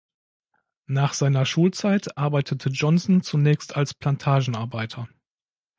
Nach seiner Schulzeit arbeitete Johnson zunächst als Plantagenarbeiter.